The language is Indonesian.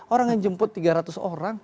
orang yang jemput tiga ratus orang